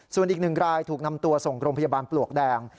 ส่วนอีกหนึ่งรายถูกนำตัวส่งโรงพยาบาลปลวกแดง